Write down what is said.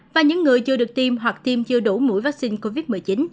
và những người chưa được tiêm hoặc tiêm chưa đủ mũi vaccine covid một mươi chín